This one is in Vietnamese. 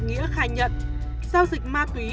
nghĩa khai nhận giao dịch ma túy